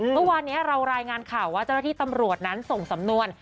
เมื่อวานนี้เรารายงานข่าวว่าเจ้าหน้าที่ตำรวจนั้นส่งสำนวน